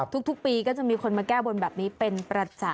ทุกปีก็จะมีคนมาแก้บนแบบนี้เป็นประจำ